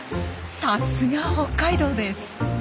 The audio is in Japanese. さすが北海道です。